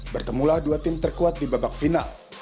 bertemulah dua tim terkuat di babak final